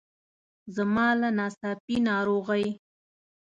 زما له ناڅاپي ناروغۍ.